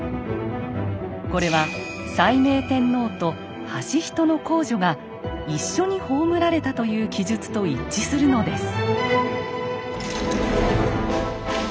これは斉明天皇と間人皇女が一緒に葬られたという記述と一致するのです。